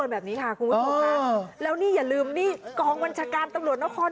อารมณ์ขึ้นถึงขั้นตะโกนท้าทายกลับไป